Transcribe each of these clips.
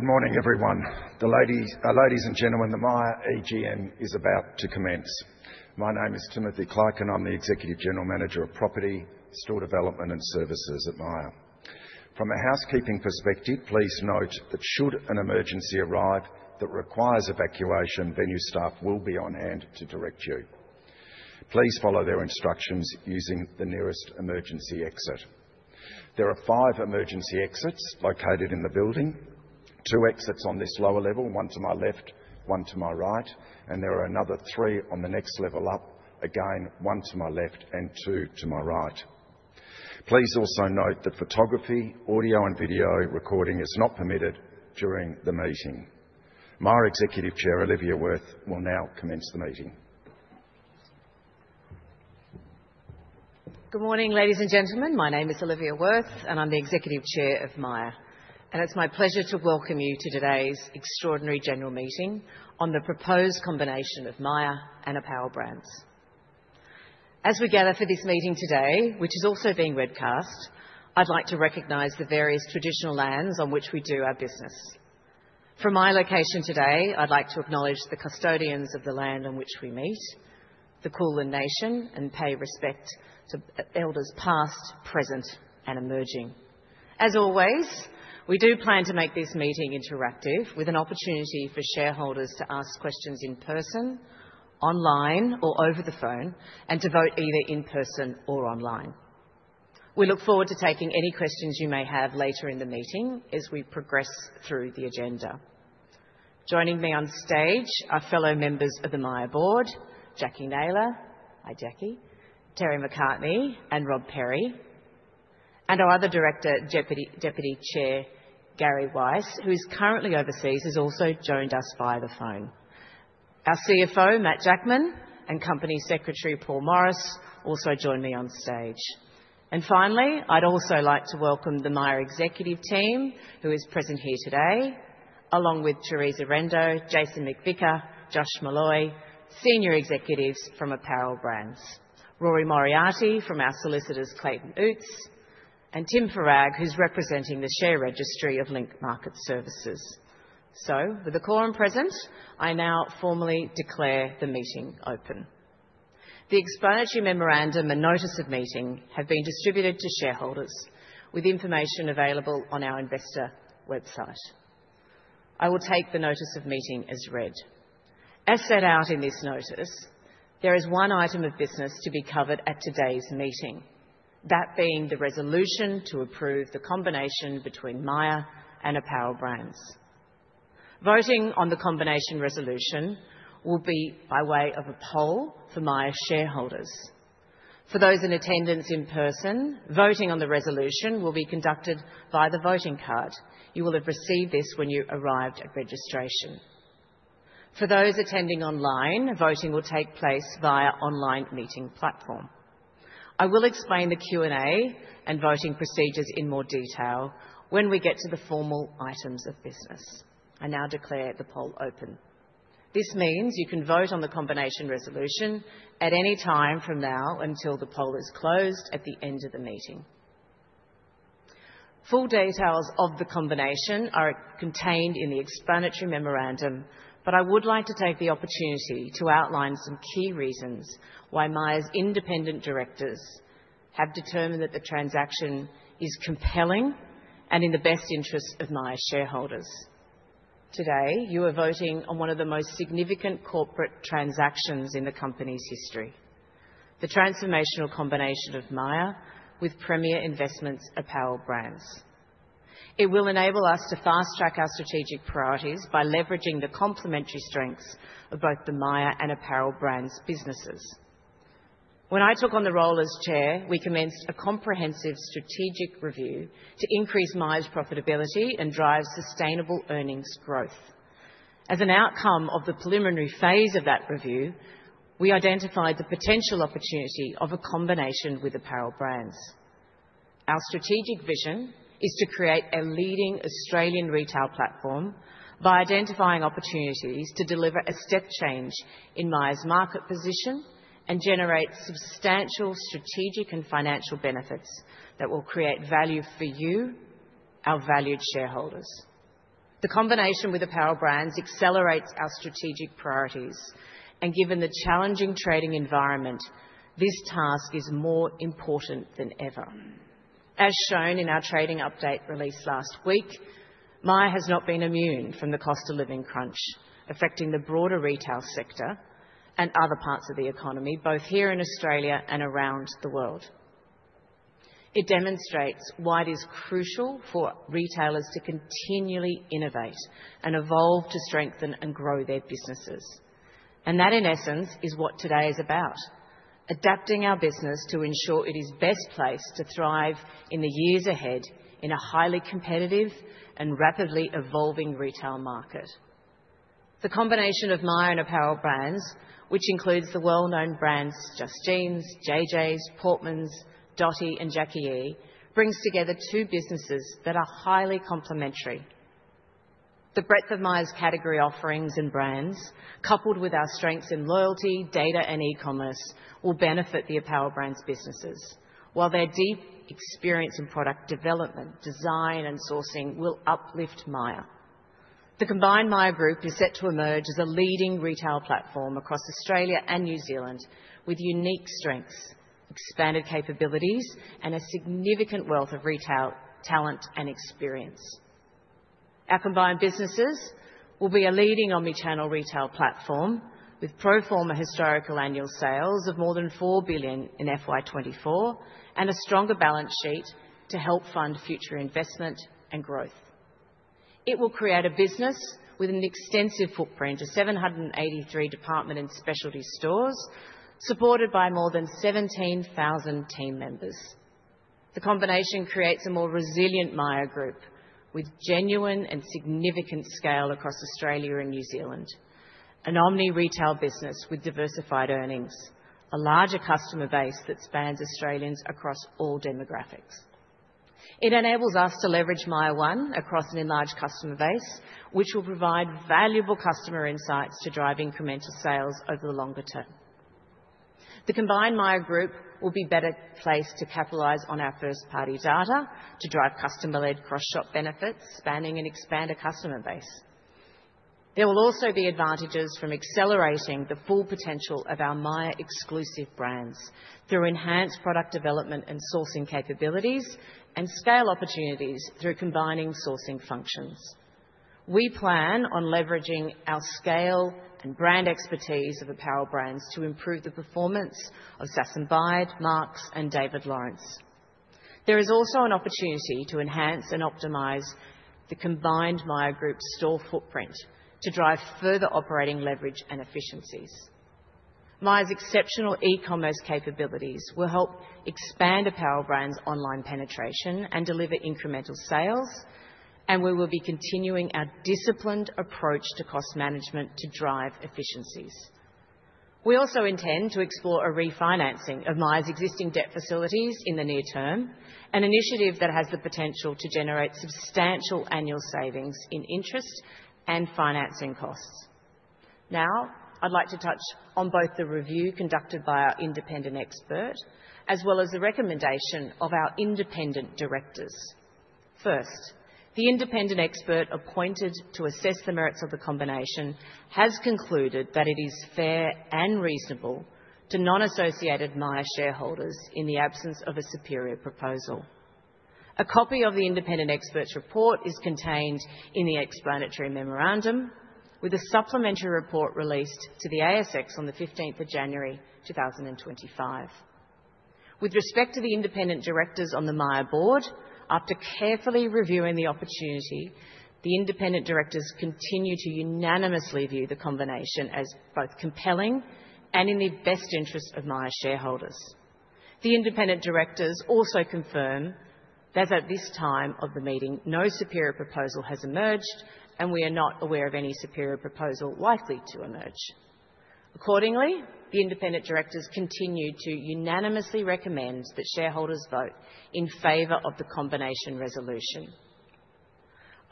Good morning, everyone. Ladies and gentlemen, the Myer EGM is about to commence. My name is Timothy Clark, and I'm the Executive General Manager of Property, Store Development, and Services at Myer. From a housekeeping perspective, please note that should an emergency arise that requires evacuation, venue staff will be on hand to direct you. Please follow their instructions using the nearest emergency exit. There are five emergency exits located in the building: two exits on this lower level, one to my left, one to my right, and there are another three on the next level up, again one to my left and two to my right. Please also note that photography, audio, and video recording is not permitted during the meeting. Myer Executive Chair Olivia Wirth will now commence the meeting. Good morning, ladies and gentlemen. My name is Olivia Wirth, and I'm the Executive Chair of Myer, and it's my pleasure to welcome you to today's extraordinary general meeting on the proposed combination of Myer and Apparel Brands. As we gather for this meeting today, which is also being webcast, I'd like to recognize the various traditional lands on which we do our business. From my location today, I'd like to acknowledge the custodians of the land on which we meet, the Kulin Nation, and pay respect to elders past, present, and emerging. As always, we do plan to make this meeting interactive with an opportunity for shareholders to ask questions in person, online, or over the phone, and to vote either in person or online. We look forward to taking any questions you may have later in the meeting as we progress through the agenda. Joining me on stage are fellow members of the Myer board, Jacquie Naylor, hi, Jacquie, Terry McCartney, and Rob Perry, and our other director, Deputy Chair Gary Weiss, who is currently overseas and has also joined us by the phone. Our CFO, Matt Jackman, and Company Secretary Paul Morris also join me on stage. And finally, I'd also like to welcome the Myer Executive Team, who is present here today, along with Teresa Rendo, Jason McVicker, Josh Molloy, senior executives from Apparel Brands, Rory Moriarty from our solicitors, Clayton Utz, and Tim Farag, who's representing the share registry of Link Market Services. So, with the quorum present, I now formally declare the meeting open. The Explanatory Memorandum and Notice of Meeting have been distributed to shareholders with information available on our investor website. I will take the Notice of Meeting as read. As set out in this notice, there is one item of business to be covered at today's meeting, that being the resolution to approve the combination between Myer and Apparel Brands. Voting on the combination resolution will be by way of a poll for Myer shareholders. For those in attendance in person, voting on the resolution will be conducted via the voting card. You will have received this when you arrived at registration. For those attending online, voting will take place via the online meeting platform. I will explain the Q&A and voting procedures in more detail when we get to the formal items of business. I now declare the poll open. This means you can vote on the combination resolution at any time from now until the poll is closed at the end of the meeting. Full details of the combination are contained in the Explanatory Memorandum, but I would like to take the opportunity to outline some key reasons why Myer's independent directors have determined that the transaction is compelling and in the best interest of Myer shareholders. Today, you are voting on one of the most significant corporate transactions in the company's history, the transformational combination of Myer with Premier Investments Apparel Brands. It will enable us to fast-track our strategic priorities by leveraging the complementary strengths of both the Myer and Apparel Brands businesses. When I took on the role as chair, we commenced a comprehensive strategic review to increase Myer's profitability and drive sustainable earnings growth. As an outcome of the preliminary phase of that review, we identified the potential opportunity of a combination with Apparel Brands. Our strategic vision is to create a leading Australian retail platform by identifying opportunities to deliver a step change in Myer's market position and generate substantial strategic and financial benefits that will create value for you, our valued shareholders. The combination with Apparel Brands accelerates our strategic priorities, and given the challenging trading environment, this task is more important than ever. As shown in our trading update released last week, Myer has not been immune from the cost of living crunch affecting the broader retail sector and other parts of the economy, both here in Australia and around the world. It demonstrates why it is crucial for retailers to continually innovate and evolve to strengthen and grow their businesses, and that, in essence, is what today is about: adapting our business to ensure it is best placed to thrive in the years ahead in a highly competitive and rapidly evolving retail market. The combination of Myer and Apparel Brands, which includes the well-known brands Just Jeans, Jay Jays, Portmans, Dotti, and Jacqui E, brings together two businesses that are highly complementary. The breadth of Myer's category offerings and brands, coupled with our strengths in loyalty, data, and e-commerce, will benefit the Apparel Brands businesses, while their deep experience in product development, design, and sourcing will uplift Myer. The combined Myer Group is set to emerge as a leading retail platform across Australia and New Zealand with unique strengths, expanded capabilities, and a significant wealth of retail talent and experience. Our combined businesses will be a leading omnichannel retail platform with pro forma historical annual sales of more than 4 billion in FY24 and a stronger balance sheet to help fund future investment and growth. It will create a business with an extensive footprint of 783 department and specialty stores, supported by more than 17,000 team members. The combination creates a more resilient Myer Group with genuine and significant scale across Australia and New Zealand, an omni-retail business with diversified earnings, a larger customer base that spans Australians across all demographics. It enables us to leverage MYER one across an enlarged customer base, which will provide valuable customer insights to drive incremental sales over the longer term. The combined Myer Group will be better placed to capitalize on our first-party data to drive customer-led cross-shop benefits, spanning an expanded customer base. There will also be advantages from accelerating the full potential of our Myer-exclusive brands through enhanced product development and sourcing capabilities and scale opportunities through combining sourcing functions. We plan on leveraging our scale and brand expertise of Apparel Brands to improve the performance of Sass & Bide, Marcs, and David Lawrence. There is also an opportunity to enhance and optimize the combined MYER group's store footprint to drive further operating leverage and efficiencies. MYER's exceptional e-commerce capabilities will help expand Apparel Brands' online penetration and deliver incremental sales, and we will be continuing our disciplined approach to cost management to drive efficiencies. We also intend to explore a refinancing of MYER's existing debt facilities in the near term, an initiative that has the potential to generate substantial annual savings in interest and financing costs. Now, I'd like to touch on both the review conducted by our independent expert as well as the recommendation of our independent directors. First, the independent expert appointed to assess the merits of the combination has concluded that it is fair and reasonable to non-associated Myer shareholders in the absence of a superior proposal. A copy of the independent expert's report is contained in the Explanatory Memorandum, with a supplementary report released to the ASX on the 15th of January 2025. With respect to the independent directors on the Myer board, after carefully reviewing the opportunity, the independent directors continue to unanimously view the combination as both compelling and in the best interest of Myer shareholders. The independent directors also confirm that at this time of the meeting no superior proposal has emerged, and we are not aware of any superior proposal likely to emerge. Accordingly, the independent directors continue to unanimously recommend that shareholders vote in favor of the combination resolution.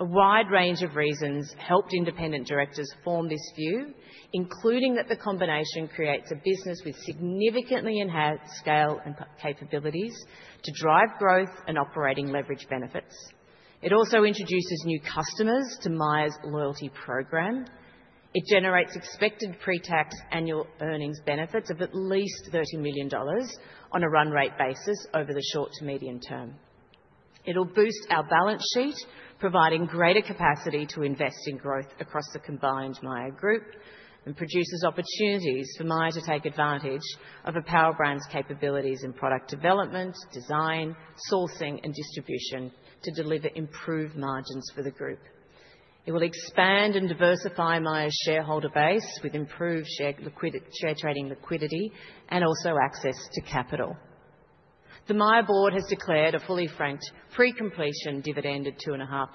A wide range of reasons helped independent directors form this view, including that the combination creates a business with significantly enhanced scale and capabilities to drive growth and operating leverage benefits. It also introduces new customers to MYER's loyalty program. It generates expected pre-tax annual earnings benefits of at least 30 million dollars on a run rate basis over the short to medium term. It will boost our balance sheet, providing greater capacity to invest in growth across the combined MYER group and produces opportunities for MYER to take advantage of Apparel Brands' capabilities in product development, design, sourcing, and distribution to deliver improved margins for the group. It will expand and diversify MYER's shareholder base with improved share trading liquidity and also access to capital. The Myer board has declared a fully franked pre-completion dividend of 0.25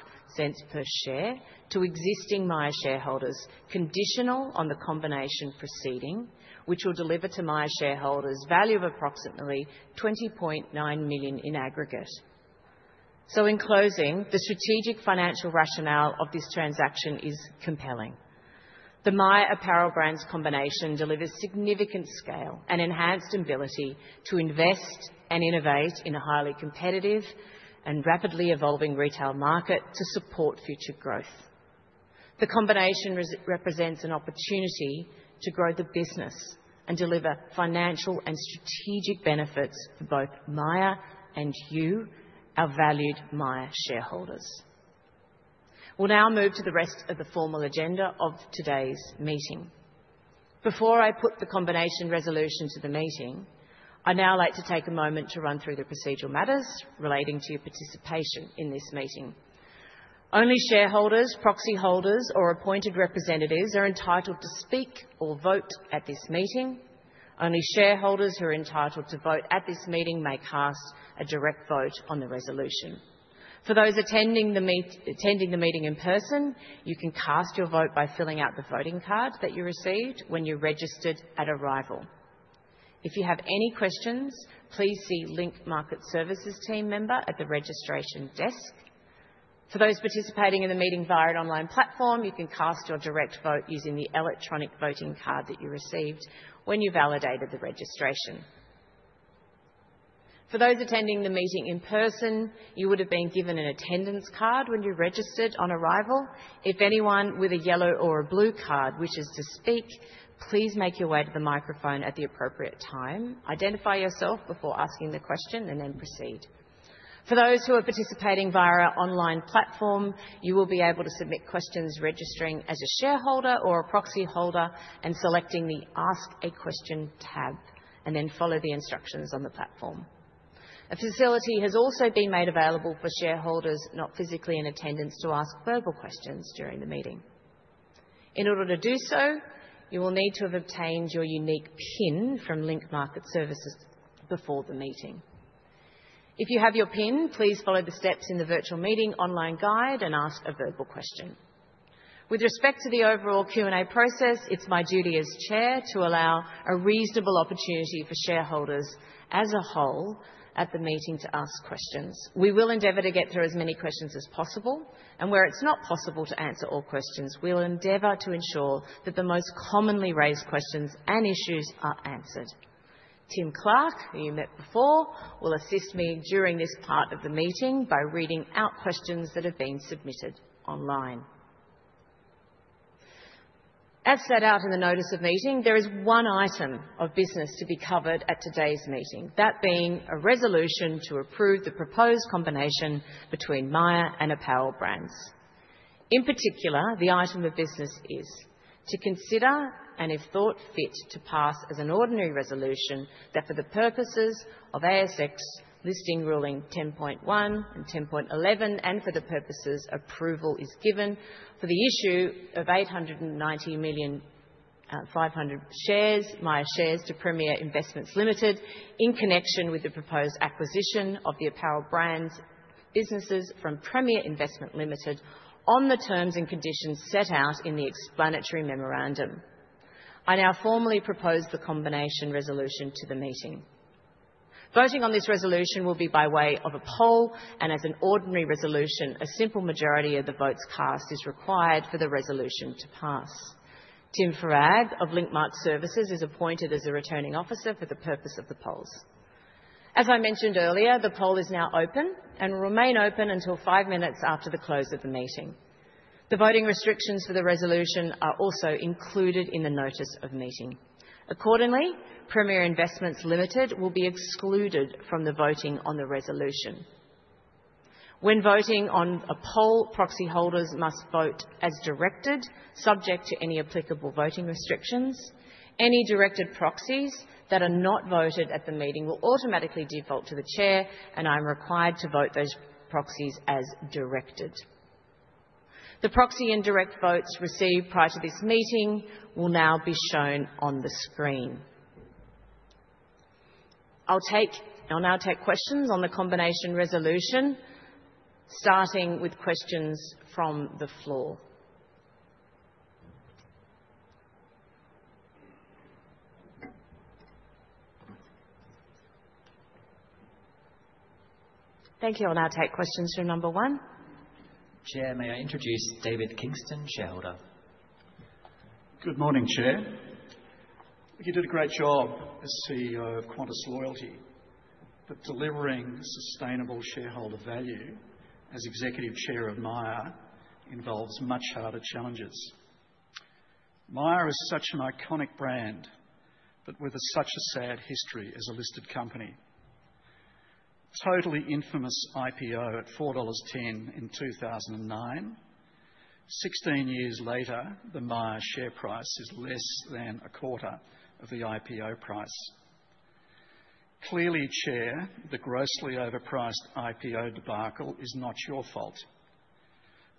per share to existing Myer shareholders, conditional on the combination proceeding, which will deliver to Myer shareholders value of approximately 20.9 million in aggregate. So, in closing, the strategic financial rationale of this transaction is compelling. The Myer Apparel Brands combination delivers significant scale and enhanced ability to invest and innovate in a highly competitive and rapidly evolving retail market to support future growth. The combination represents an opportunity to grow the business and deliver financial and strategic benefits for both Myer and you, our valued Myer shareholders. We'll now move to the rest of the formal agenda of today's meeting. Before I put the combination resolution to the meeting, I'd now like to take a moment to run through the procedural matters relating to your participation in this meeting. Only shareholders, proxy holders, or appointed representatives are entitled to speak or vote at this meeting. Only shareholders who are entitled to vote at this meeting may cast a direct vote on the resolution. For those attending the meeting in person, you can cast your vote by filling out the voting card that you received when you registered at arrival. If you have any questions, please see Link Market Services team member at the registration desk. For those participating in the meeting via an online platform, you can cast your direct vote using the electronic voting card that you received when you validated the registration. For those attending the meeting in person, you would have been given an attendance card when you registered on arrival. If anyone with a yellow or a blue card wishes to speak, please make your way to the microphone at the appropriate time. Identify yourself before asking the question and then proceed. For those who are participating via our online platform, you will be able to submit questions registering as a shareholder or a proxy holder and selecting the Ask a Question tab, and then follow the instructions on the platform. A facility has also been made available for shareholders not physically in attendance to ask verbal questions during the meeting. In order to do so, you will need to have obtained your unique PIN from Link Market Services before the meeting. If you have your PIN, please follow the steps in the virtual meeting online guide and ask a verbal question. With respect to the overall Q&A process, it's my duty as chair to allow a reasonable opportunity for shareholders as a whole at the meeting to ask questions. We will endeavor to get through as many questions as possible, and where it's not possible to answer all questions, we'll endeavor to ensure that the most commonly raised questions and issues are answered. Tim Clark, who you met before, will assist me during this part of the meeting by reading out questions that have been submitted online. As set out in the notice of meeting, there is one item of business to be covered at today's meeting, that being a resolution to approve the proposed combination between Myer and Apparel Brands. In particular, the item of business is to consider and, if thought fit, to pass as an ordinary resolution that for the purposes of ASX Listing Ruling 10.1 and 10.11 and for the purposes approval is given for the issue of 890,500 shares, Myer shares to Premier Investments Limited in connection with the proposed acquisition of the Apparel Brands businesses from Premier Investments Limited on the terms and conditions set out in the Explanatory Memorandum. I now formally propose the combination resolution to the meeting. Voting on this resolution will be by way of a poll, and as an ordinary resolution, a simple majority of the votes cast is required for the resolution to pass. Tim Farag of Link Market Services is appointed as a returning officer for the purpose of the polls. As I mentioned earlier, the poll is now open and will remain open until five minutes after the close of the meeting. The voting restrictions for the resolution are also included in the notice of meeting. Accordingly, Premier Investments Limited will be excluded from the voting on the resolution. When voting on a poll, proxy holders must vote as directed, subject to any applicable voting restrictions. Any directed proxies that are not voted at the meeting will automatically default to the chair, and I'm required to vote those proxies as directed. The proxy indirect votes received prior to this meeting will now be shown on the screen. I'll now take questions on the combination resolution, starting with questions from the floor. Thank you. I'll now take questions from number one. Chair, may I introduce David Kingston, shareholder? Good morning, Chair. You did a great job as CEO of Qantas Loyalty, but delivering sustainable shareholder value as executive chair of Myer involves much harder challenges. Myer is such an iconic brand, but with such a sad history as a listed company. Totally infamous IPO at 4.10 dollars in 2009. Sixteen years later, the Myer share price is less than a quarter of the IPO price. Clearly, Chair, the grossly overpriced IPO debacle is not your fault,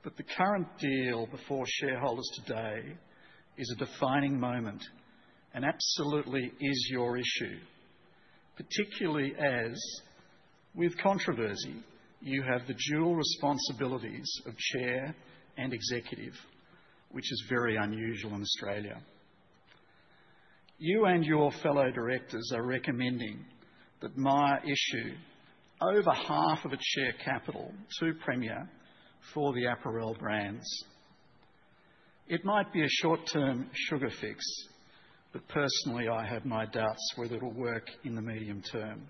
but the current deal before shareholders today is a defining moment and absolutely is your issue, particularly as, with controversy, you have the dual responsibilities of chair and executive, which is very unusual in Australia. You and your fellow directors are recommending that Myer issue over half of its share capital to Premier for the Apparel Brands. It might be a short-term sugar fix, but personally, I have my doubts whether it will work in the medium term.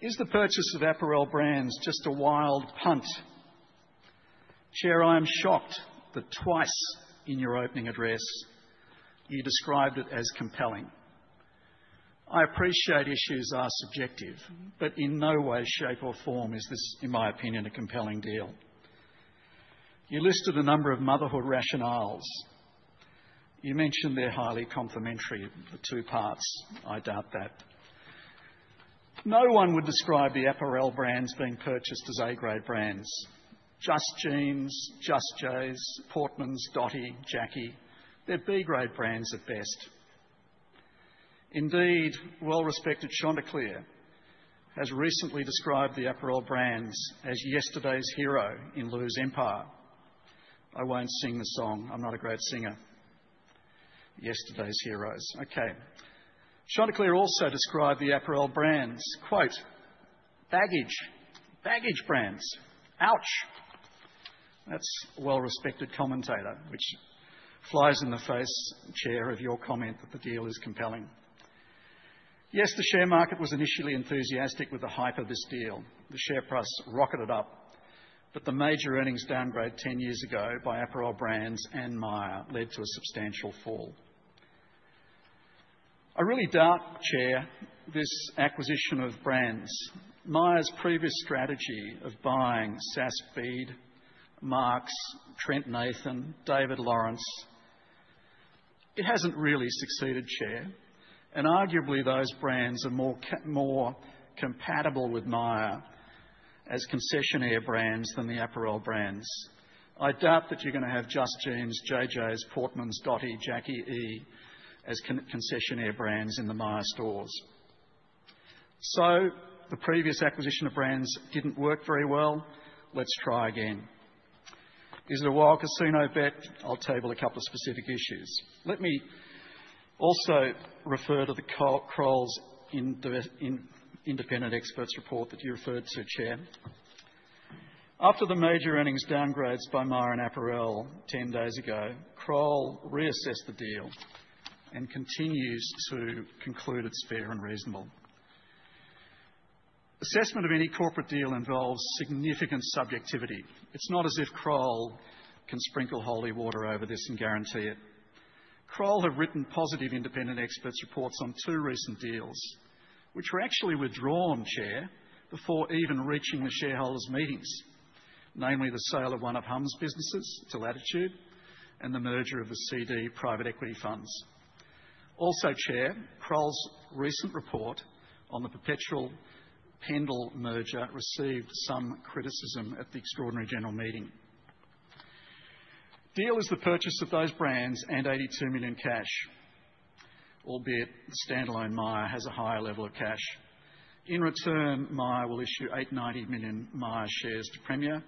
Is the purchase of Apparel Brands just a wild punt? Chair, I am shocked that twice in your opening address you described it as compelling. I appreciate issues are subjective, but in no way, shape, or form is this, in my opinion, a compelling deal. You listed a number of motherhood rationales. You mentioned they're highly complementary, the two parts. I doubt that. No one would describe the Apparel Brands being purchased as A-grade brands. Just Jeans, Jay Jays, Portmans, Dotti, Jacqui E. They're B-grade brands at best. Indeed, well-respected Chanticleer has recently described the Apparel Brands as yesterday's hero in Lew's Empire. I won't sing the song. I'm not a great singer. Yesterday's heroes. Okay. Chanticleer also described the Apparel Brands, quote, "Baggage. Baggage Brands. Ouch." That's a well-respected commentator, which flies in the face, Chair, of your comment that the deal is compelling. Yes, the share market was initially enthusiastic with the hype of this deal. The share price rocketed up, but the major earnings downgrade ten years ago by Apparel Brands and Myer led to a substantial fall. I really doubt, Chair, this acquisition of Brands. Myer's previous strategy of buying Sass & Bide, Marcs, Trent Nathan, David Lawrence, it hasn't really succeeded, Chair, and arguably those brands are more compatible with Myer as concessionaire brands than the Apparel Brands. I doubt that you're going to have Just Jeans, Jay Jays, Portmans, Dotti, Jacqui E as concessionaire brands in the Myer stores. So the previous acquisition of Brands didn't work very well. Let's try again. Is it a wild casino bet? I'll table a couple of specific issues. Let me also refer to the Kroll's Independent Experts report that you referred to, Chair. After the major earnings downgrades by Myer and Apparel ten days ago, Kroll reassessed the deal and continues to conclude it's fair and reasonable. Assessment of any corporate deal involves significant subjectivity. It's not as if Kroll can sprinkle holy water over this and guarantee it. Kroll have written positive independent experts reports on two recent deals, which were actually withdrawn, Chair, before even reaching the shareholders' meetings, namely the sale of one of humm's businesses to Latitude and the merger of the CD Private Equity Funds. Also, Chair, Kroll's recent report on the Perpetual Pendal merger received some criticism at the extraordinary general meeting. Deal is the purchase of those brands and 82 million cash, albeit the standalone Myer has a higher level of cash. In return, Myer will issue 890 million Myer shares to Premier,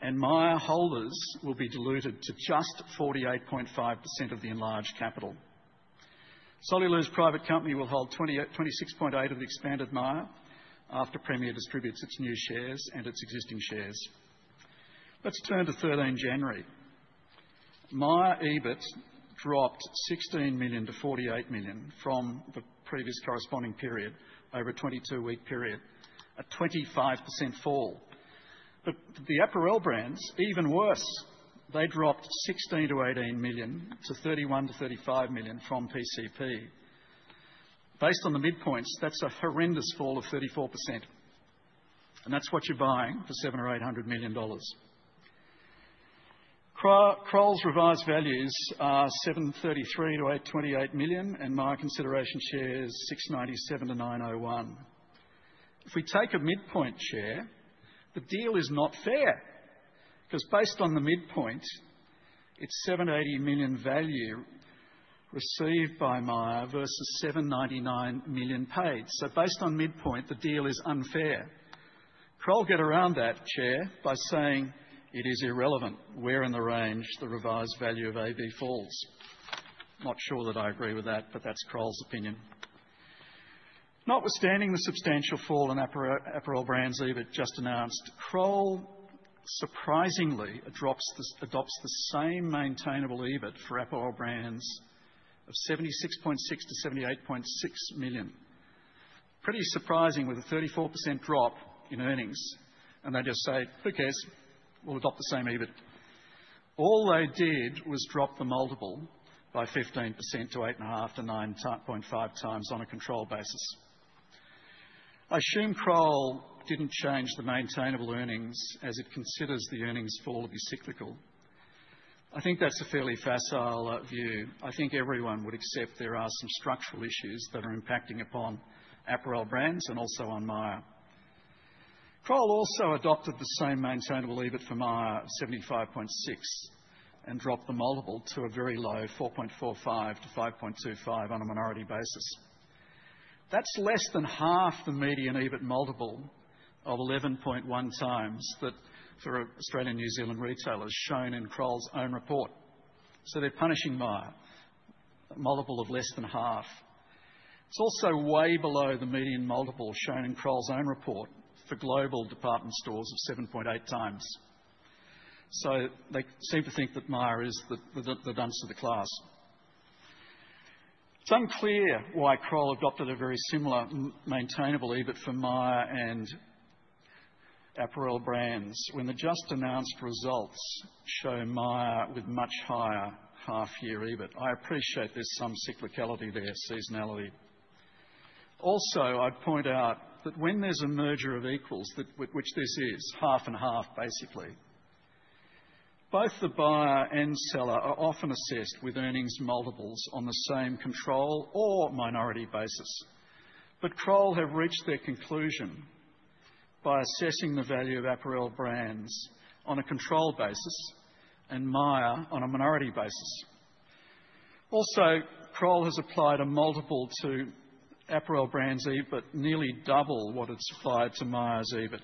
and Myer holders will be diluted to just 48.5% of the enlarged capital. Solly Lew's Private Company will hold 26.8% of the expanded Myer after Premier distributes its new shares and its existing shares. Let's turn to 13 January. Myer EBIT dropped 16 million to 48 million from the previous corresponding period, over a 22-week period, a 25% fall. But the Apparel Brands, even worse, they dropped 16-18 million to 31-35 million from PCP. Based on the midpoints, that's a horrendous fall of 34%, and that's what you're buying for 700 million or 800 million dollars. Kroll's revised values are 733-828 million, and Myer consideration shares 697-901 million. If we take a midpoint, Chair, the deal is not fair because based on the midpoint, it's 780 million value received by Myer versus 799 million paid. So based on midpoint, the deal is unfair. Kroll get around that, Chair, by saying it is irrelevant where in the range the revised value of AB falls. Not sure that I agree with that, but that's Kroll's opinion. Notwithstanding the substantial fall in Apparel Brands EBIT just announced, Kroll surprisingly adopts the same maintainable EBIT for Apparel Brands of 76.6-78.6 million. Pretty surprising with a 34% drop in earnings, and they just say, "Who cares? We'll adopt the same EBIT." All they did was drop the multiple by 15% to 8.5-9.5 times on a controlled basis. I assume Kroll didn't change the maintainable earnings as it considers the earnings fall to be cyclical. I think that's a fairly facile view. I think everyone would accept there are some structural issues that are impacting upon Apparel Brands and also on Myer. Kroll also adopted the same maintainable EBIT for Myer of 75.6 and dropped the multiple to a very low 4.45-5.25 on a minority basis. That's less than half the median EBIT multiple of 11.1 times that for Australian New Zealand retailers shown in Kroll's own report. So they're punishing Myer. Multiple of less than half. It's also way below the median multiple shown in Kroll's own report for global department stores of 7.8 times. So they seem to think that Myer is the dunce of the class. It's unclear why Kroll adopted a very similar maintainable EBIT for Myer and Apparel Brands when the just announced results show Myer with much higher half-year EBIT. I appreciate there's some cyclicality there, seasonality. Also, I'd point out that when there's a merger of equals, which this is, half and half, basically, both the buyer and seller are often assessed with earnings multiples on the same control or minority basis. But Kroll have reached their conclusion by assessing the value of Apparel Brands on a control basis and Myer on a minority basis. Also, Kroll has applied a multiple to Apparel Brands EBIT, nearly double what it's applied to Myer's EBIT.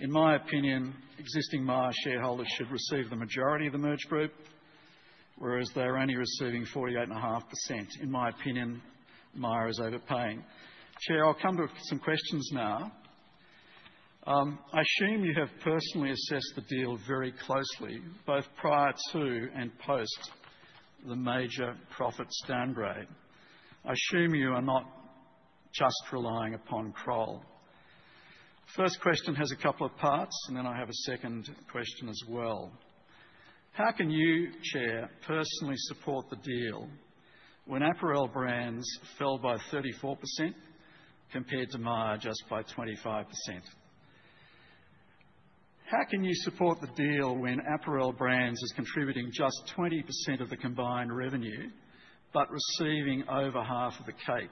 In my opinion, existing Myer shareholders should receive the majority of the merge group, whereas they're only receiving 48.5%. In my opinion, Myer is overpaying. Chair, I'll come to some questions now. I assume you have personally assessed the deal very closely, both prior to and post the major profit downgrade. I assume you are not just relying upon Kroll. First question has a couple of parts, and then I have a second question as well. How can you, Chair, personally support the deal when Apparel Brands fell by 34% compared to Myer just by 25%? How can you support the deal when Apparel Brands is contributing just 20% of the combined revenue but receiving over half of the cake?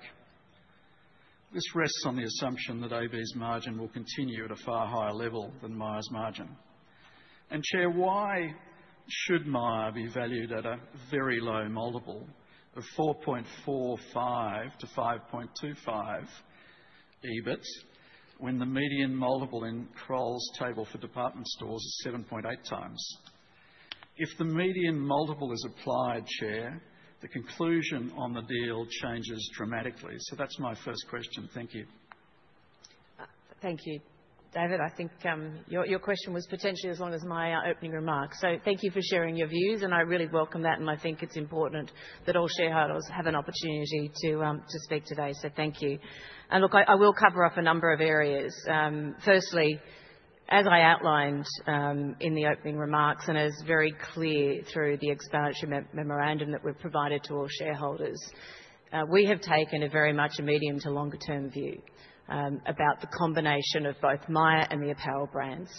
This rests on the assumption that AB's margin will continue at a far higher level than Myer's margin. And Chair, why should Myer be valued at a very low multiple of 4.45-5.25 EBIT when the median multiple in Kroll's table for department stores is 7.8 times? If the median multiple is applied, Chair, the conclusion on the deal changes dramatically. So that's my first question. Thank you. Thank you, David. I think your question was potentially as long as my opening remarks. So thank you for sharing your views, and I really welcome that, and I think it's important that all shareholders have an opportunity to speak today. So thank you. And look, I will cover off a number of areas. Firstly, as I outlined in the opening remarks and as very clear through the explanatory memorandum that we've provided to all shareholders, we have taken a very much a medium to longer-term view about the combination of both Myer and the Apparel Brands.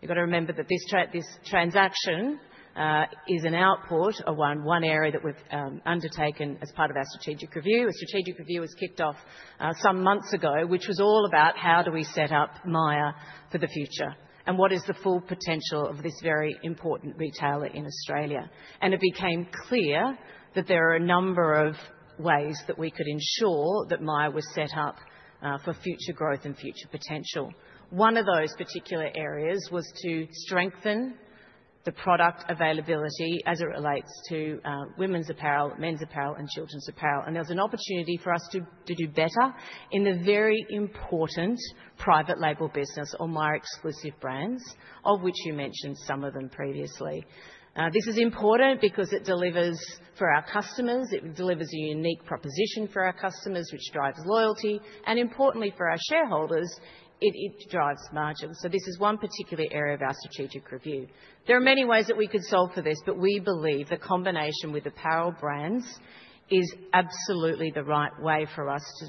You've got to remember that this transaction is an output, one area that we've undertaken as part of our strategic review. A strategic review was kicked off some months ago, which was all about how do we set up Myer for the future and what is the full potential of this very important retailer in Australia. It became clear that there are a number of ways that we could ensure that Myer was set up for future growth and future potential. One of those particular areas was to strengthen the product availability as it relates to women's apparel, men's apparel, and children's apparel. There was an opportunity for us to do better in the very important private label business or Myer exclusive brands, of which you mentioned some of them previously. This is important because it delivers for our customers. It delivers a unique proposition for our customers, which drives loyalty. Importantly, for our shareholders, it drives margins. This is one particular area of our strategic review. There are many ways that we could solve for this, but we believe the combination with Apparel Brands is absolutely the right way for us to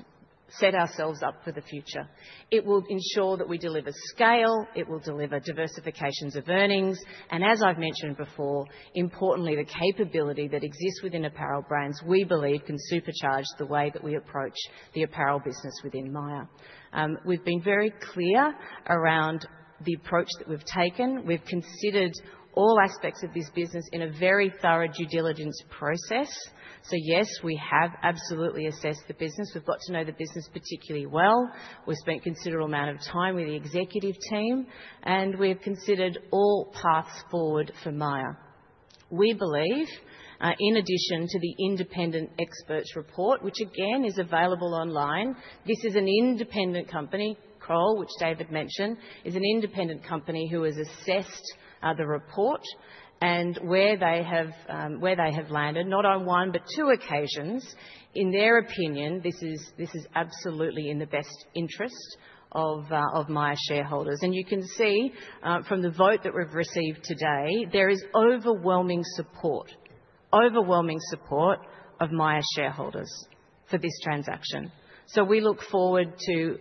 set ourselves up for the future. It will ensure that we deliver scale. It will deliver diversifications of earnings. And as I've mentioned before, importantly, the capability that exists within Apparel Brands, we believe, can supercharge the way that we approach the apparel business within Myer. We've been very clear around the approach that we've taken. We've considered all aspects of this business in a very thorough due diligence process. So yes, we have absolutely assessed the business. We've got to know the business particularly well. We've spent a considerable amount of time with the executive team, and we have considered all paths forward for Myer. We believe, in addition to the independent expert's report, which again is available online, this is an independent company, Kroll, which David mentioned, is an independent company who has assessed the report and where they have landed, not on one but two occasions. In their opinion, this is absolutely in the best interest of Myer shareholders, and you can see from the vote that we've received today, there is overwhelming support, overwhelming support of Myer shareholders for this transaction, so we look forward to,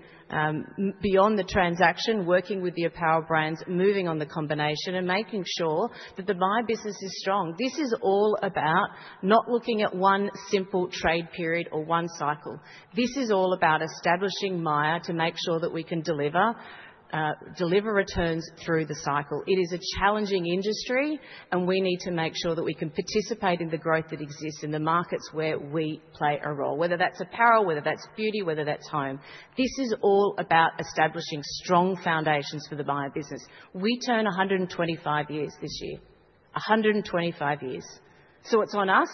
beyond the transaction, working with the Apparel Brands, moving on the combination, and making sure that the Myer business is strong. This is all about not looking at one simple trade period or one cycle. This is all about establishing Myer to make sure that we can deliver returns through the cycle. It is a challenging industry, and we need to make sure that we can participate in the growth that exists in the markets where we play a role, whether that's Apparel, whether that's beauty, whether that's home. This is all about establishing strong foundations for the Myer business. We turn 125 years this year, 125 years. So it's on us,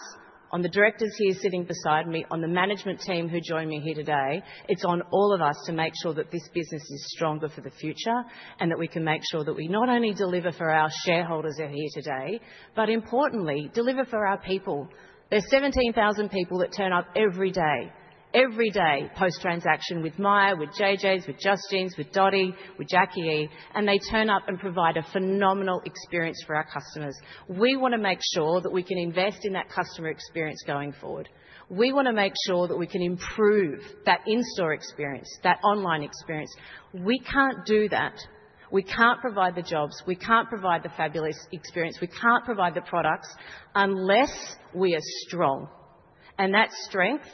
on the directors here sitting beside me, on the management team who joined me here today. It's on all of us to make sure that this business is stronger for the future and that we can make sure that we not only deliver for our shareholders who are here today, but importantly, deliver for our people. There's 17,000 people that turn up every day, every day post-transaction with Myer, with Jay Jays, with Just Jeans, with Dotti, with Jacqui E, and they turn up and provide a phenomenal experience for our customers. We want to make sure that we can invest in that customer experience going forward. We want to make sure that we can improve that in-store experience, that online experience. We can't do that. We can't provide the jobs. We can't provide the fabulous experience. We can't provide the products unless we are strong. And that strength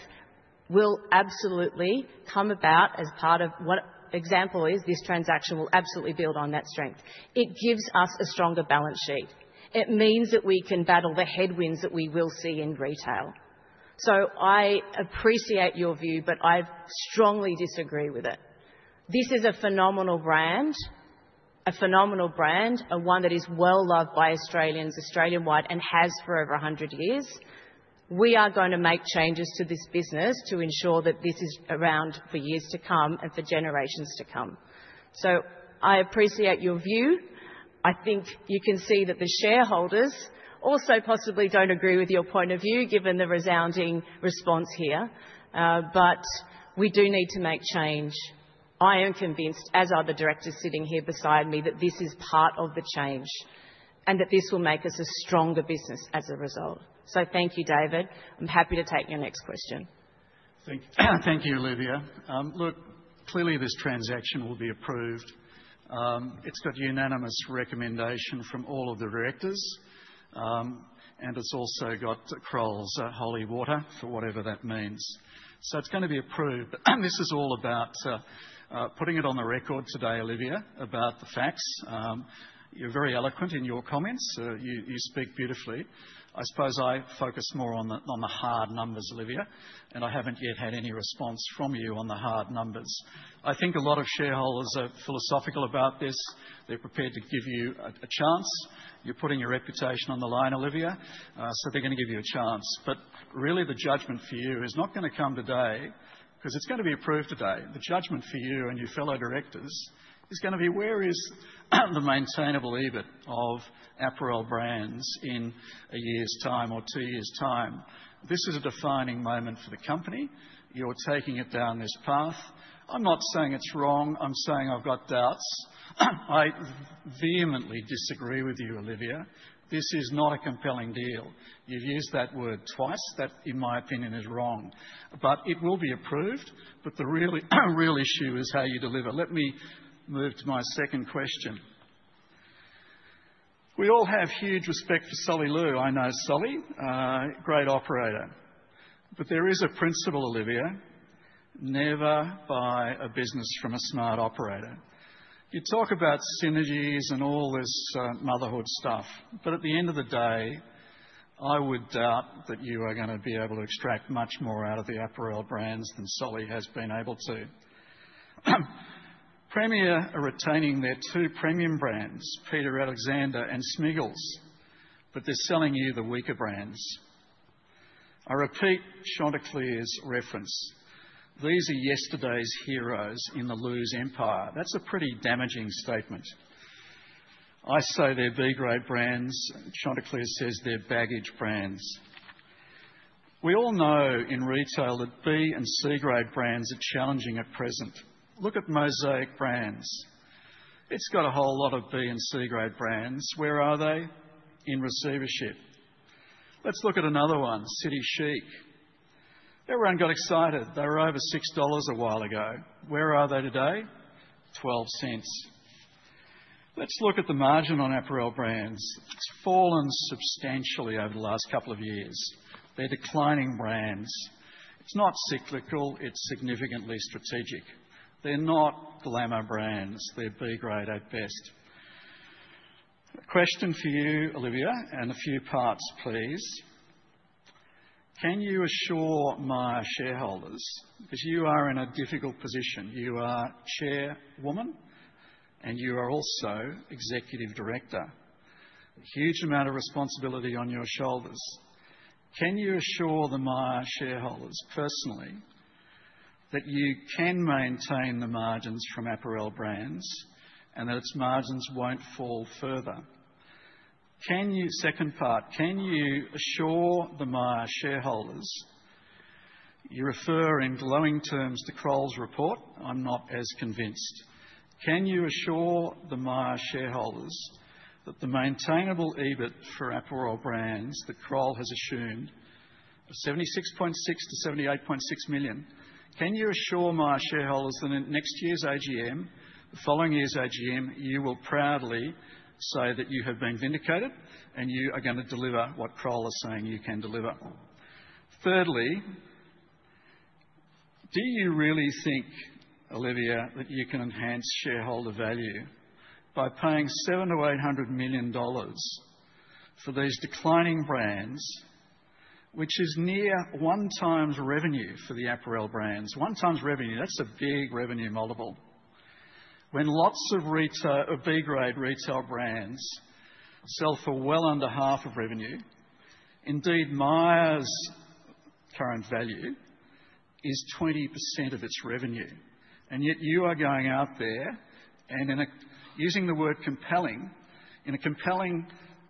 will absolutely come about as part of what this transaction will absolutely build on that strength. It gives us a stronger balance sheet. It means that we can battle the headwinds that we will see in retail. So I appreciate your view, but I strongly disagree with it. This is a phenomenal brand, a phenomenal brand, a one that is well-loved by Australians, Australian-wide, and has for over 100 years. We are going to make changes to this business to ensure that this is around for years to come and for generations to come. So I appreciate your view. I think you can see that the shareholders also possibly don't agree with your point of view given the resounding response here, but we do need to make change. I am convinced, as are the directors sitting here beside me, that this is part of the change and that this will make us a stronger business as a result. So thank you, David. I'm happy to take your next question. Thank you, Olivia. Look, clearly this transaction will be approved. It's got unanimous recommendation from all of the directors, and it's also got Kroll's holy water for whatever that means. So it's going to be approved. This is all about putting it on the record today, Olivia, about the facts. You're very eloquent in your comments. You speak beautifully. I suppose I focus more on the hard numbers, Olivia, and I haven't yet had any response from you on the hard numbers. I think a lot of shareholders are philosophical about this. They're prepared to give you a chance. You're putting your reputation on the line, Olivia, so they're going to give you a chance. But really, the judgment for you is not going to come today because it's going to be approved today. The judgment for you and your fellow directors is going to be, where is the maintainable EBIT of Apparel Brands in a year's time or two years' time? This is a defining moment for the company. You're taking it down this path. I'm not saying it's wrong. I'm saying I've got doubts. I vehemently disagree with you, Olivia. This is not a compelling deal. You've used that word twice. That, in my opinion, is wrong. But it will be approved. But the real issue is how you deliver. Let me move to my second question. We all have huge respect for Solly Lew. I know Solly, great operator. There is a principle, Olivia. Never buy a business from a smart operator. You talk about synergies and all this motherhood stuff, but at the end of the day, I would doubt that you are going to be able to extract much more out of the Apparel Brands than Solly has been able to. Premier are retaining their two premium brands, Peter Alexander and Smiggle, but they're selling you the weaker brands. I repeat Chanticleer's reference. These are yesterday's heroes in the Lew's empire. That's a pretty damaging statement. I say they're B-grade brands. Chanticleer says they're baggage brands. We all know in retail that B and C-grade brands are challenging at present. Look at Mosaic Brands. It's got a whole lot of B and C-grade brands. Where are they? In receivership. Let's look at another one, City Chic. Everyone got excited. They were over 6 dollars a while ago. Where are they today? 0.12. Let's look at the margin on Apparel Brands. It's fallen substantially over the last couple of years. They're declining brands. It's not cyclical. It's significantly strategic. They're not glamour brands. They're B-grade at best. Question for you, Olivia, and a few parts, please. Can you assure Myer shareholders? Because you are in a difficult position. You are chairwoman, and you are also executive director. Huge amount of responsibility on your shoulders. Can you assure the Myer shareholders personally that you can maintain the margins from Apparel Brands and that its margins won't fall further? Second part, can you assure the Myer shareholders? You refer in glowing terms to Kroll's report. I'm not as convinced. Can you assure the Myer shareholders that the maintainable EBIT for Apparel Brands that Kroll has assumed of 76.6 million-78.6 million? Can you assure Myer shareholders that in next year's AGM, the following year's AGM, you will proudly say that you have been vindicated and you are going to deliver what Kroll is saying you can deliver? Thirdly, do you really think, Olivia, that you can enhance shareholder value by paying 700 million or 800 million dollars for these declining brands, which is near one-time revenue for the Apparel Brands? One-time revenue, that's a big revenue multiple. When lots of B-grade retail brands sell for well under half of revenue, indeed, Myer's current value is 20% of its revenue. And yet you are going out there and using the word compelling. In a compelling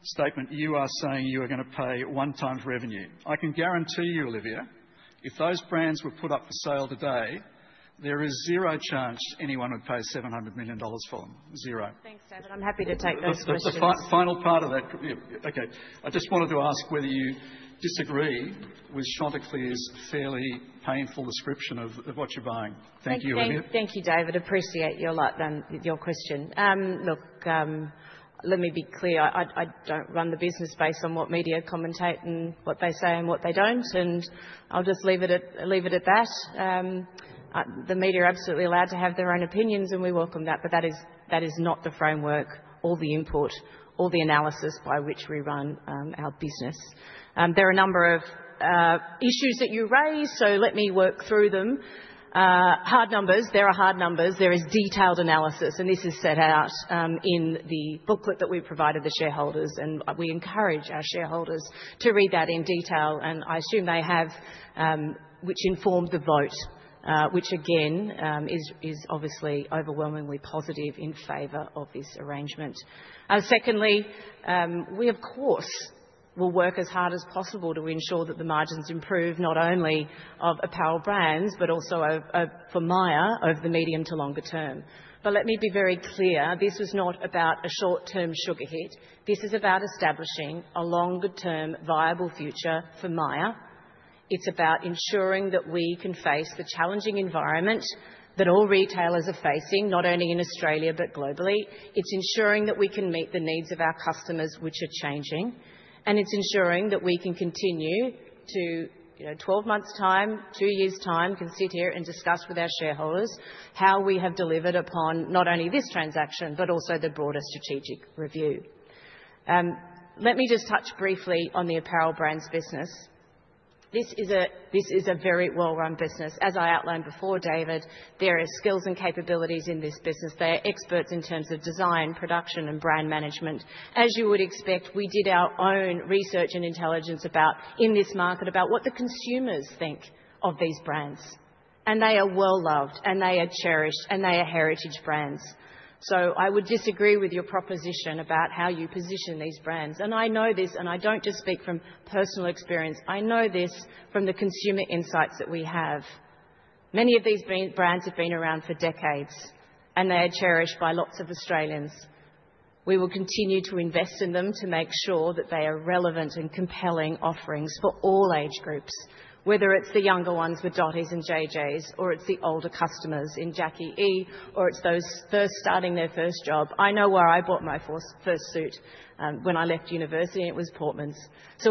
statement, you are saying you are going to pay one-time revenue. I can guarantee you, Olivia, if those brands were put up for sale today, there is zero chance anyone would pay 700 million dollars for them. Zero. Thanks, David. I'm happy to take those questions. Final part of that. Okay. I just wanted to ask whether you disagree with Chanticleer's fairly painful description of what you're buying. Thank you, Olivia. Thank you, David. Appreciate your question. Look, let me be clear. I don't run the business based on what media commentary and what they say and what they don't, and I'll just leave it at that. The media are absolutely allowed to have their own opinions, and we welcome that, but that is not the framework, all the input, all the analysis by which we run our business. There are a number of issues that you raise, so let me work through them. Hard numbers, there are hard numbers. There is detailed analysis, and this is set out in the booklet that we've provided the shareholders, and we encourage our shareholders to read that in detail, and I assume they have, which informed the vote, which again is obviously overwhelmingly positive in favor of this arrangement. Secondly, we, of course, will work as hard as possible to ensure that the margins improve not only of Apparel Brands but also for Myer over the medium to longer term. But let me be very clear. This was not about a short-term sugar hit. This is about establishing a longer-term viable future for Myer. It's about ensuring that we can face the challenging environment that all retailers are facing, not only in Australia but globally. It's ensuring that we can meet the needs of our customers, which are changing, and it's ensuring that we can continue to, 12 months' time, two years' time, can sit here and discuss with our shareholders how we have delivered upon not only this transaction but also the broader strategic review. Let me just touch briefly on the Apparel Brands business. This is a very well-run business. As I outlined before, David, there are skills and capabilities in this business. They are experts in terms of design, production, and brand management. As you would expect, we did our own research and intelligence in this market about what the consumers think of these brands. And they are well-loved, and they are cherished, and they are heritage brands. So I would disagree with your proposition about how you position these brands. I know this, and I don't just speak from personal experience. I know this from the consumer insights that we have. Many of these brands have been around for decades, and they are cherished by lots of Australians. We will continue to invest in them to make sure that they are relevant and compelling offerings for all age groups, whether it's the younger ones with Dotti's and JJ's, or it's the older customers in Jacqui E, or it's those first starting their first job. I know where I bought my first suit when I left university, and it was Portmans.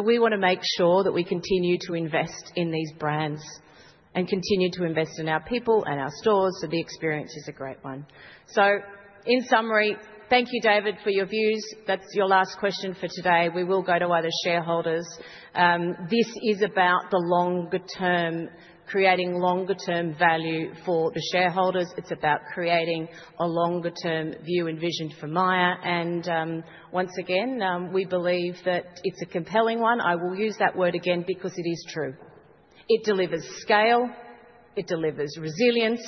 We want to make sure that we continue to invest in these brands and continue to invest in our people and our stores, so the experience is a great one. In summary, thank you, David, for your views. That's your last question for today. We will go to other shareholders. This is about the longer-term, creating longer-term value for the shareholders. It's about creating a longer-term view envisioned for Myer, and once again, we believe that it's a compelling one. I will use that word again because it is true. It delivers scale. It delivers resilience.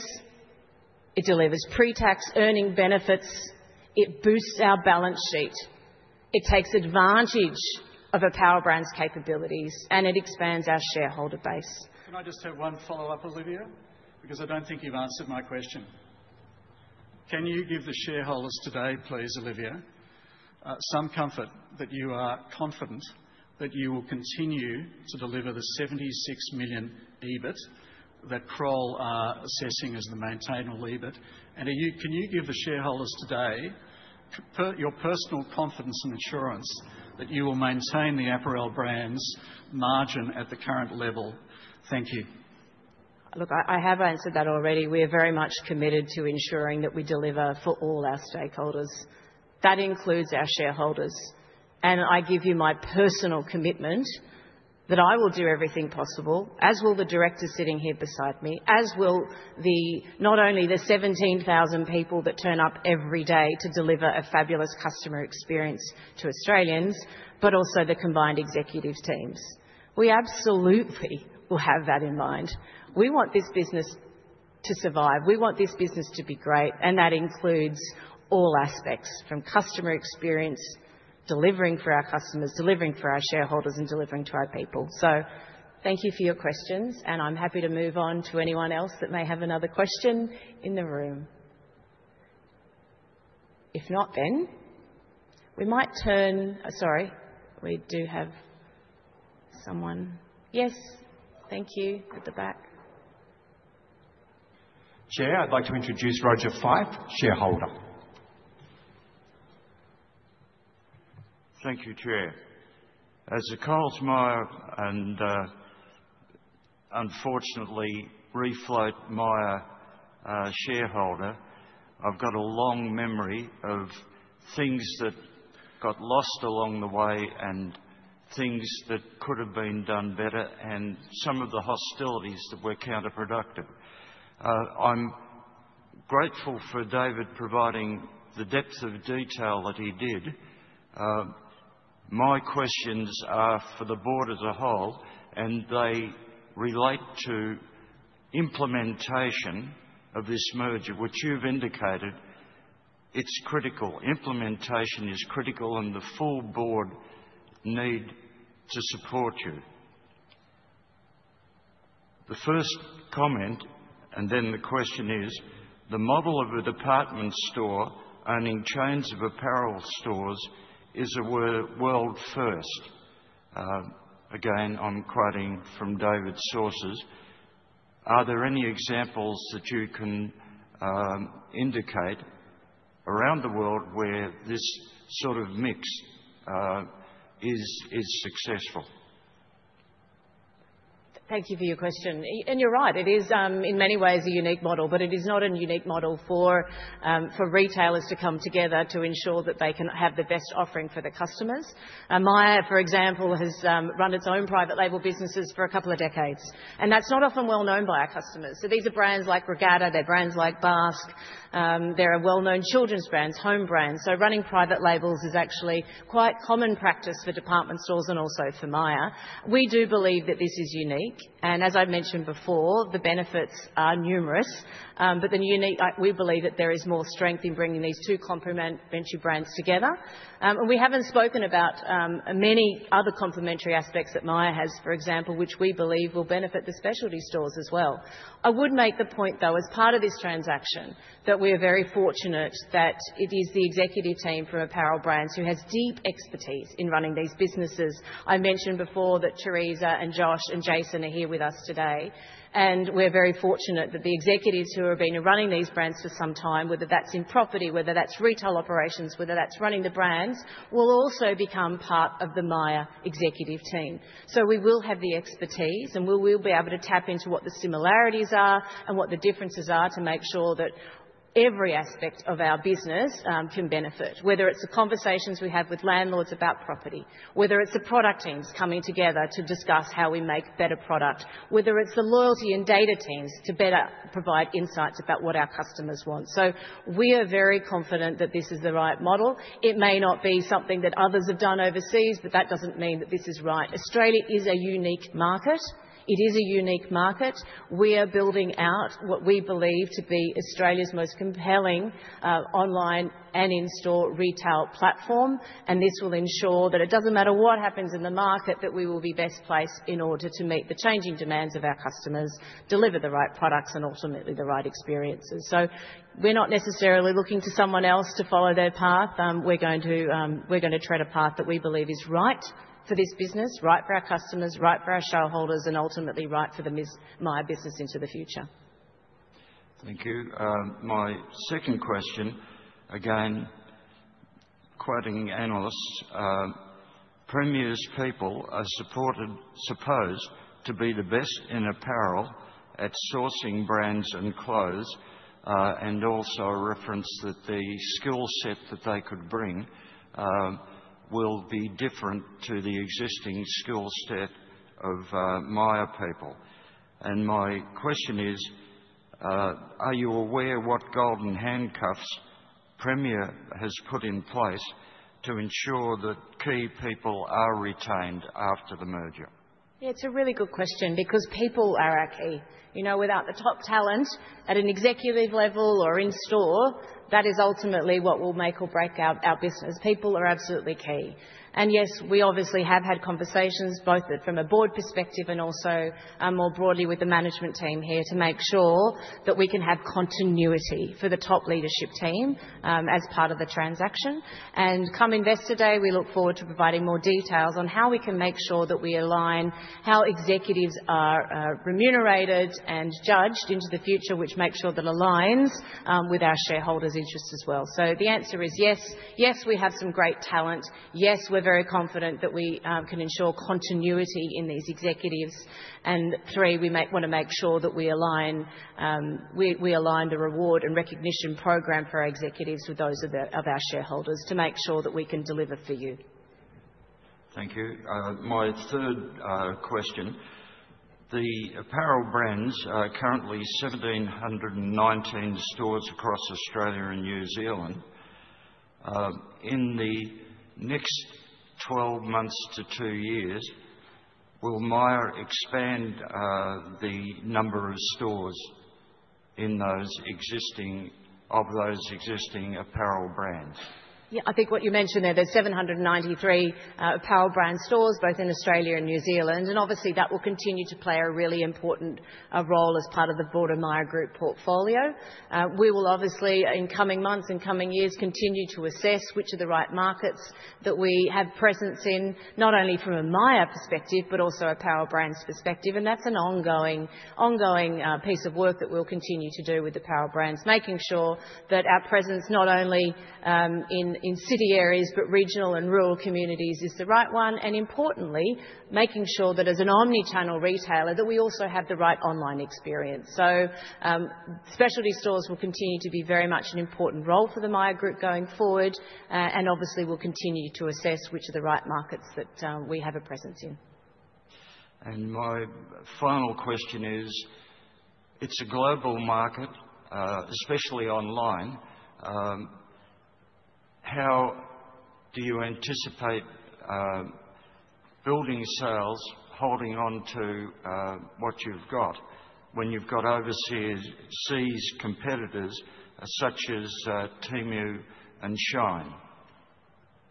It delivers pre-tax earnings benefits. It boosts our balance sheet. It takes advantage of Apparel Brands' capabilities, and it expands our shareholder base. Can I just have one follow-up, Olivia? Because I don't think you've answered my question. Can you give the shareholders today, please, Olivia, some comfort that you are confident that you will continue to deliver the 76 million EBIT that Kroll are assessing as the maintainable EBIT? And can you give the shareholders today your personal confidence and assurance that you will maintain the Apparel Brands' margin at the current level? Thank you. Look, I have answered that already. We are very much committed to ensuring that we deliver for all our stakeholders. That includes our shareholders, and I give you my personal commitment that I will do everything possible, as will the directors sitting here beside me, as will not only the 17,000 people that turn up every day to deliver a fabulous customer experience to Australians, but also the combined executive teams. We absolutely will have that in mind. We want this business to survive. We want this business to be great, and that includes all aspects from customer experience, delivering for our customers, delivering for our shareholders, and delivering to our people. So thank you for your questions, and I'm happy to move on to anyone else that may have another question in the room. If not, then we might turn, sorry, we do have someone. Yes. Thank you at the back. Chair, I'd like to introduce Roger Fyfe, shareholder. Thank you, Chair. As a Coles Myer and unfortunately recent float Myer shareholder, I've got a long memory of things that got lost along the way and things that could have been done better and some of the hostilities that were counterproductive. I'm grateful for David providing the depth of detail that he did. My questions are for the board as a whole, and they relate to implementation of this merger, which you've indicated. It's critical. Implementation is critical, and the full board need to support you. The first comment, and then the question is, the model of a department store owning chains of apparel stores is a world first. Again, I'm quoting from David's sources. Are there any examples that you can indicate around the world where this sort of mix is successful? Thank you for your question. And you're right. It is, in many ways, a unique model, but it is not a unique model for retailers to come together to ensure that they can have the best offering for their customers. Myer, for example, has run its own private label businesses for a couple of decades, and that's not often well known by our customers. So these are brands like Regatta. They're brands like Basque. They're a well-known children's brand, home brand. So running private labels is actually quite common practice for department stores and also for Myer. We do believe that this is unique. And as I've mentioned before, the benefits are numerous, but we believe that there is more strength in bringing these two complementary brands together. And we haven't spoken about many other complementary aspects that Myer has, for example, which we believe will benefit the specialty stores as well. I would make the point, though, as part of this transaction, that we are very fortunate that it is the executive team from Apparel Brands who has deep expertise in running these businesses. I mentioned before that Teresa and Josh and Jason are here with us today, and we're very fortunate that the executives who have been running these brands for some time, whether that's in property, whether that's retail operations, whether that's running the brands, will also become part of the Myer executive team. So we will have the expertise, and we will be able to tap into what the similarities are and what the differences are to make sure that every aspect of our business can benefit, whether it's the conversations we have with landlords about property, whether it's the product teams coming together to discuss how we make better product, whether it's the loyalty and data teams to better provide insights about what our customers want. So we are very confident that this is the right model. It may not be something that others have done overseas, but that doesn't mean that this is right. Australia is a unique market. It is a unique market. We are building out what we believe to be Australia's most compelling online and in-store retail platform, and this will ensure that it doesn't matter what happens in the market, that we will be best placed in order to meet the changing demands of our customers, deliver the right products, and ultimately the right experiences. So we're not necessarily looking to someone else to follow their path. We're going to tread a path that we believe is right for this business, right for our customers, right for our shareholders, and ultimately right for the Myer business into the future. Thank you. My second question, again quoting analysts, Premier's people are supposed to be the best in apparel at sourcing brands and clothes, and also reference that the skill set that they could bring will be different to the existing skill set of Myer people. My question is, are you aware what golden handcuffs Premier has put in place to ensure that key people are retained after the merger? Yeah, it's a really good question because people are our key. Without the top talent at an executive level or in-store, that is ultimately what will make or break our business. People are absolutely key. And yes, we obviously have had conversations, both from a board perspective and also more broadly with the management team here, to make sure that we can have continuity for the top leadership team as part of the transaction. And come Investor Day, we look forward to providing more details on how we can make sure that we align how executives are remunerated and judged into the future, which makes sure that aligns with our shareholders' interests as well. So the answer is yes. Yes, we have some great talent. Yes, we're very confident that we can ensure continuity in these executives. And three, we want to make sure that we align the reward and recognition program for our executives with those of our shareholders to make sure that we can deliver for you. Thank you. My third question. The Apparel Brands are currently 1,719 stores across Australia and New Zealand. In the next 12 months to two years, will Myer expand the number of stores of those existing Apparel Brands? Yeah, I think what you mentioned there, there's 793 Apparel Brands stores both in Australia and New Zealand, and obviously that will continue to play a really important role as part of the broader Myer Group portfolio. We will obviously, in coming months and coming years, continue to assess which are the right markets that we have presence in, not only from a Myer perspective but also Apparel Brands' perspective, and that's an ongoing piece of work that we'll continue to do with Apparel Brands, making sure that our presence not only in city areas but regional and rural communities is the right one, and importantly, making sure that as an omnichannel retailer, that we also have the right online experience, so specialty stores will continue to be very much an important role for the Myer Group going forward, and obviously we'll continue to assess which are the right markets that we have a presence in. And my final question is, it's a global market, especially online. How do you anticipate building sales, holding on to what you've got when you've got overseas competitors such as Temu and Shein?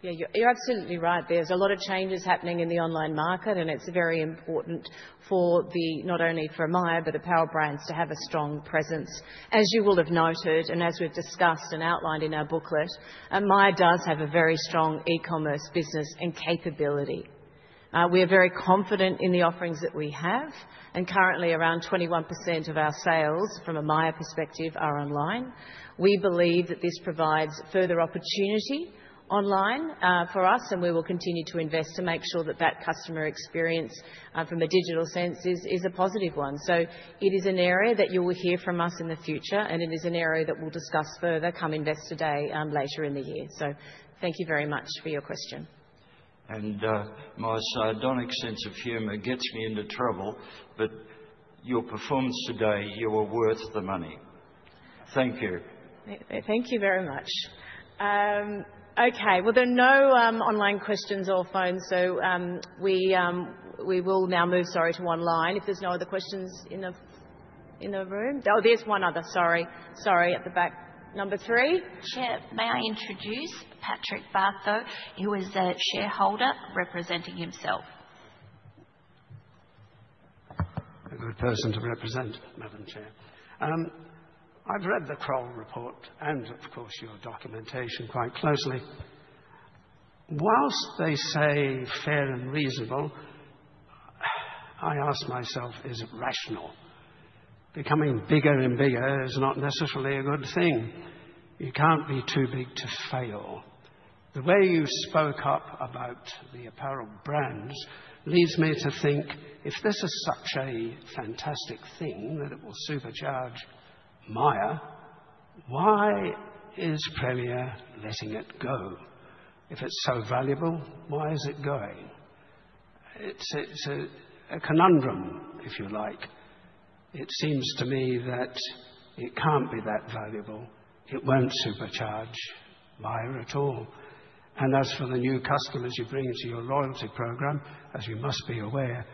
Yeah, you're absolutely right. There's a lot of changes happening in the online market, and it's very important for not only for Myer but Apparel Brands to have a strong presence. As you will have noted, and as we've discussed and outlined in our booklet, Myer does have a very strong e-commerce business and capability. We are very confident in the offerings that we have, and currently around 21% of our sales, from a Myer perspective, are online. We believe that this provides further opportunity online for us, and we will continue to invest to make sure that that customer experience from a digital sense is a positive one. So it is an area that you will hear from us in the future, and it is an area that we'll discuss further come Investor Day later in the year. So thank you very much for your question. And my sardonic sense of humor gets me into trouble, but your performance today, you are worth the money. Thank you. Thank you very much. Okay. Well, there are no online questions or phones, so we will now move, sorry, to online. If there's no other questions in the room? Oh, there's one other. Sorry. Sorry at the back. Number three. Chair, may I introduce Patrick Batho, who is a shareholder representing himself? A good person to represent, Madam Chair. I've read the Kroll report and, of course, your documentation quite closely. While they say fair and reasonable, I ask myself, is it rational? Becoming bigger and bigger is not necessarily a good thing. You can't be too big to fail. The way you spoke up about the Apparel Brands leads me to think, if this is such a fantastic thing that it will supercharge Myer, why is Premier letting it go? If it's so valuable, why is it going? It's a conundrum, if you like. It seems to me that it can't be that valuable. It won't supercharge Myer at all. And as for the new customers you bring to your loyalty program, as you must be aware,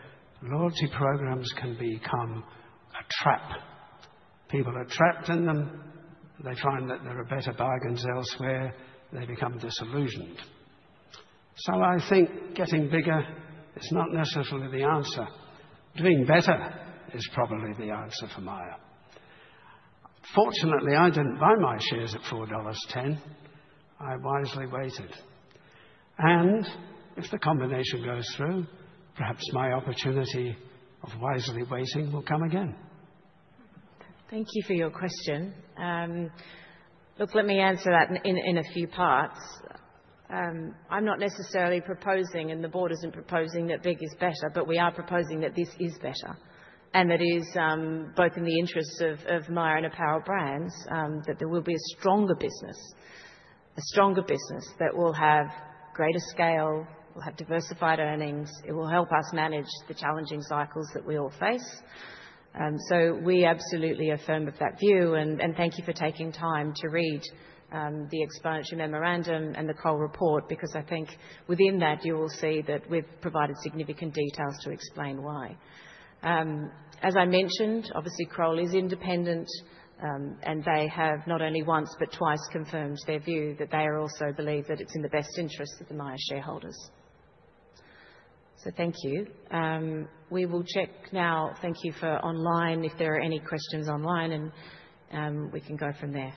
loyalty programs can become a trap. People are trapped in them. They find that there are better bargains elsewhere. They become disillusioned. So I think getting bigger is not necessarily the answer. Doing better is probably the answer for Myer. Fortunately, I didn't buy my shares at 4.10 dollars. I wisely waited. And if the combination goes through, perhaps my opportunity of wisely waiting will come again. Thank you for your question. Look, let me answer that in a few parts. I'm not necessarily proposing, and the board isn't proposing that big is better, but we are proposing that this is better, and that is both in the interests of Myer and Apparel Brands, that there will be a stronger business, a stronger business that will have greater scale, will have diversified earnings. It will help us manage the challenging cycles that we all face. So we absolutely affirm our view, and thank you for taking time to read the Explanatory Memorandum and the Kroll report because I think within that you will see that we've provided significant details to explain why. As I mentioned, obviously Kroll is independent, and they have not only once but twice confirmed their view that they also believe that it's in the best interests of the Myer shareholders. So thank you. We will check now. Thank you for online. If there are any questions online, we can go from there.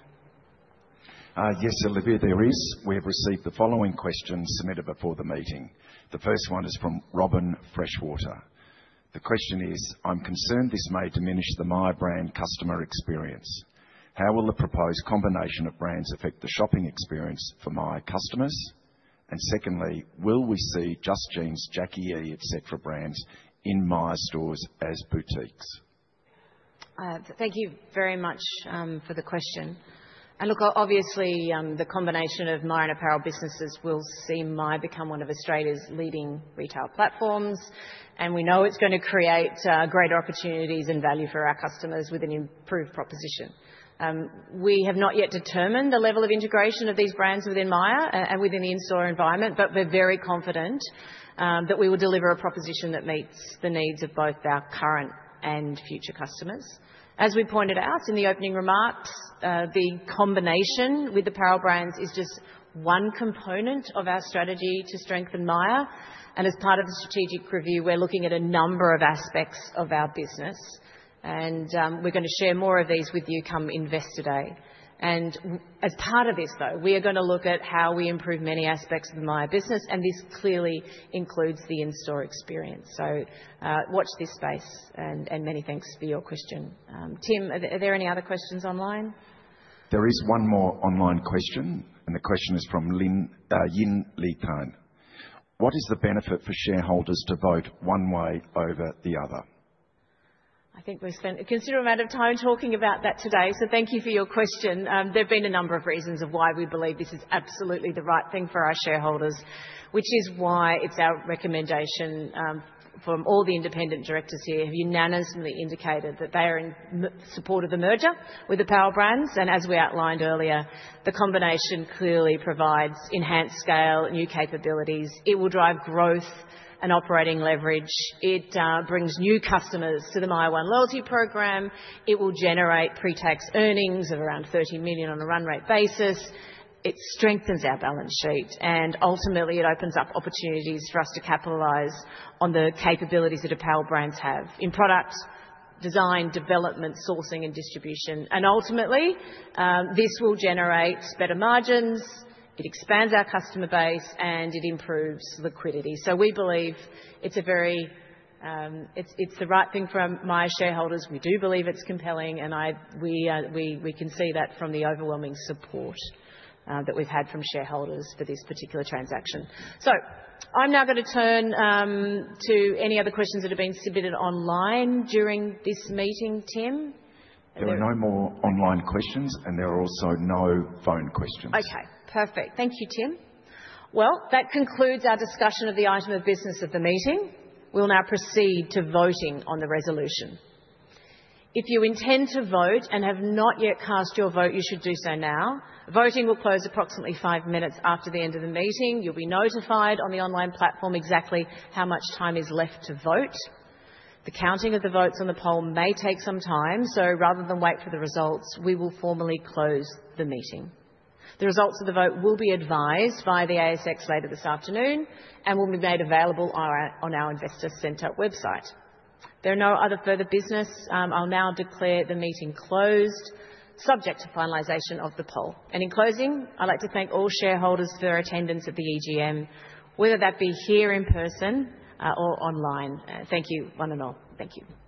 Yes, Olivia, there is. We have received the following questions submitted before the meeting. The first one is from Robyn Freshwater. The question is, "I'm concerned this may diminish the Myer brand customer experience. How will the proposed combination of brands affect the shopping experience for Myer customers?" And secondly, "Will we see Just Jeans, Jacqui E, etc. brands in Myer stores as boutiques?" Thank you very much for the question. Look, obviously the combination of Myer and apparel businesses will see Myer become one of Australia's leading retail platforms, and we know it's going to create greater opportunities and value for our customers with an improved proposition. We have not yet determined the level of integration of these brands within Myer and within the in-store environment, but we're very confident that we will deliver a proposition that meets the needs of both our current and future customers. As we pointed out in the opening remarks, the combination with Apparel Brands is just one component of our strategy to strengthen Myer, and as part of the strategic review, we're looking at a number of aspects of our business, and we're going to share more of these with you come Investor Day. As part of this, though, we are going to look at how we improve many aspects of the Myer business, and this clearly includes the in-store experience. So watch this space, and many thanks for your question. Tim, are there any other questions online? There is one more online question, and the question is from Yin Li Kang. "What is the benefit for shareholders to vote one way over the other?" I think we've spent a considerable amount of time talking about that today, so thank you for your question. There have been a number of reasons of why we believe this is absolutely the right thing for our shareholders, which is why it's our recommendation from all the independent directors here. You unanimously indicated that they are in support of the merger with Apparel Brands, and as we outlined earlier, the combination clearly provides enhanced scale, new capabilities. It will drive growth and operating leverage. It brings new customers to the MYER one loyalty program. It will generate pre-tax earnings of around 30 million on a run rate basis. It strengthens our balance sheet, and ultimately it opens up opportunities for us to capitalize on the capabilities that Apparel Brands have in product, design, development, sourcing, and distribution. And ultimately, this will generate better margins. It expands our customer base, and it improves liquidity. So we believe it's the right thing for Myer shareholders. We do believe it's compelling, and we can see that from the overwhelming support that we've had from shareholders for this particular transaction. So I'm now going to turn to any other questions that have been submitted online during this meeting, Tim. There are no more online questions, and there are also no phone questions. Okay. Perfect. Thank you, Tim. Well, that concludes our discussion of the item of business of the meeting. We'll now proceed to voting on the resolution. If you intend to vote and have not yet cast your vote, you should do so now. Voting will close approximately five minutes after the end of the meeting. You'll be notified on the online platform exactly how much time is left to vote. The counting of the votes on the poll may take some time, so rather than wait for the results, we will formally close the meeting. The results of the vote will be advised via the ASX later this afternoon and will be made available on our investor center website. There are no other further business. I'll now declare the meeting closed, subject to finalization of the poll. In closing, I'd like to thank all shareholders for their attendance at the EGM, whether that be here in person or online. Thank you, one and all. Thank you.